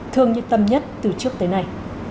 thương như tâm nhất từ trước tới nay